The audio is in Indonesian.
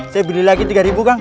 saya beli lagi tiga ribu kang